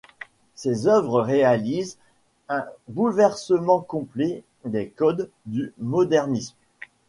Ses œuvres réalisent un bouleversement complet des codes du modernisme.